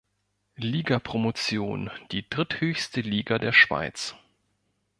Liga Promotion, die dritthöchste Liga der Schweiz.